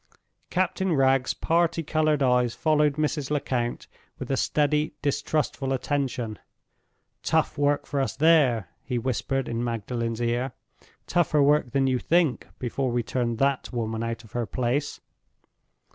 Captain Wragge's party colored eyes followed Mrs. Lecount with a steady, distrustful attention. "Tough work for us there," he whispered in Magdalen's ear; "tougher work than you think, before we turn that woman out of her place."